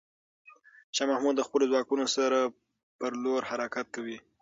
شاه محمود د خپلو ځواکونو سره پر لور حرکت کوي.